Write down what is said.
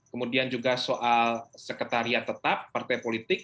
kemudian juga soal sekretariat tetap partai politik